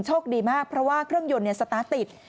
โชคดีมากเพราะว่าเครื่องยนต์สตาร์ทติด